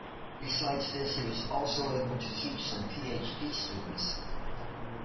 Besides this he was also able to teach some Ph.D. students.